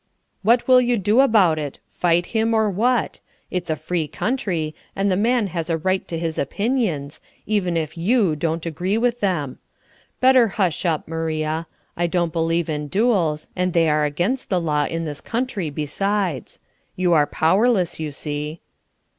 "What will you do about it? Fight him, or what? It's a free country, and the man has a right to his opinions, even if you don't agree with him. Better hush up, Maria. I don't believe in duels, and they are against the law in this country besides; you are powerless, you see."